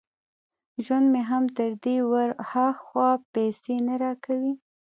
ژوند مې هم تر دې ور ها خوا پیسې نه را کوي